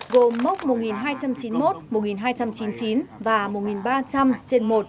gồm mốc một nghìn hai trăm chín mươi một một nghìn hai trăm chín mươi chín và một nghìn ba trăm linh trên một